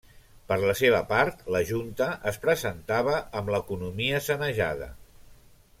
Per la seva part, la junta es presentava amb l'economia sanejada.